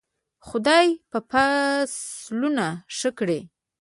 خدای به فصلونه ښه کړي.